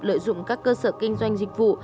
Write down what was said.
lợi dụng các cơ sở kinh doanh dịch vụ